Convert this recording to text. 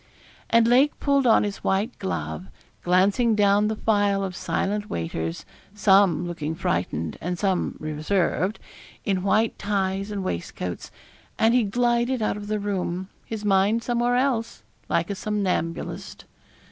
And Lake pulled on his white glove, glancing down the file of silent waiters some looking frightened, and some reserved in white ties and waistcoats, and he glided out of the room his mind somewhere else like a somnambulist.